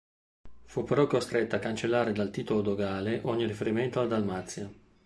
Fu però costretta a cancellare dal titolo dogale ogni riferimento alla Dalmazia.